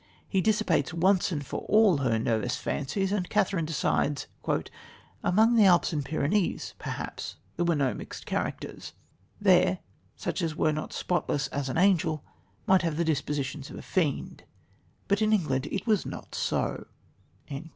He dissipates once and for all her nervous fancies, and Catherine decides: "Among the Alps and Pyrenees, perhaps, there were no mixed characters. There, such as were not spotless as an angel, might have the dispositions of a fiend. But in England it was not so."